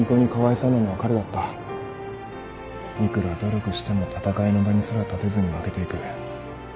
いくら努力しても戦いの場にすら立てずに負けていく。